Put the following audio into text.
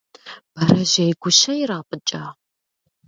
Бэрэжьей гущэ ирапӀыкӀа?